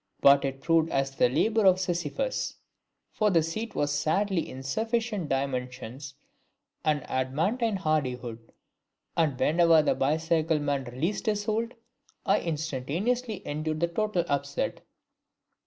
But it all proved as the labour of Sisyphus, for the seat was of sadly insufficient dimensions and adamantine hardihood, and whenever the bicycle man released his hold, I instantaneously endured the total upset!